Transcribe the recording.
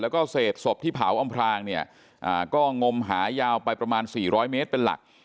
แล้วก็เศษศพที่เผาอำพลางเนี่ยก็งมหายาวไปประมาณ๔๐๐เมตรเป็นหลัก